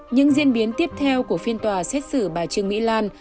những diễn biến tiếp theo của phiên tòa xét xử bà trương mỹ lan